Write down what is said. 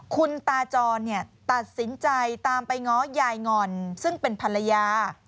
คุณตาจรตัดสินใจตามไปง้อยายงอนซึ่งเป็นภรรยา